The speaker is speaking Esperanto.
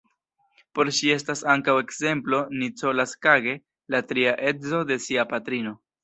Por ŝi estas ankaŭ ekzemplo Nicolas Cage, la tria edzo de sia patrino.